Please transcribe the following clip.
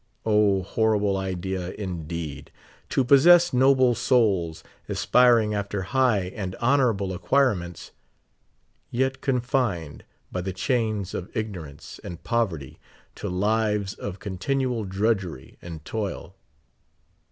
O, horrible idea, indeed, to possess noble souls, aspiring after high and honorable acquirements, yet confined by the chains of ignorance and poverty to lives of continual drudgery and toil.